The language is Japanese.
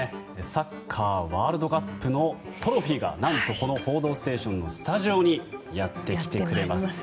サッカーワールドカップのトロフィーが、何とこの「報道ステーション」のスタジオにやって来てくれます。